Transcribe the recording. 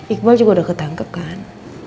iqbal juga udah ketangkep kan